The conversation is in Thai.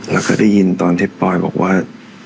แล้วก็ได้ยินตอนที่ปอยบอกว่า